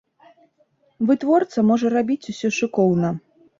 Вытворца можа рабіць усё шыкоўна.